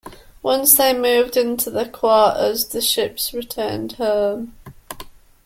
Once they moved into the quarters, the ships returned home.